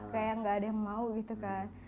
kayak gak ada yang mau gitu kan